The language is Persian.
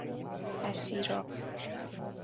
بَصیرا